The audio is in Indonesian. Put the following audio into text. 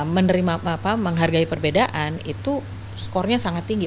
menerima apa menghargai perbedaan itu skornya sangat tinggi